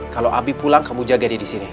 kalau abi pulang kamu jaga dia di sini